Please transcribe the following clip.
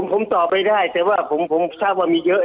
ผมตอบไม่ได้แต่ว่าผมทราบว่ามีเยอะ